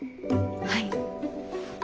はい。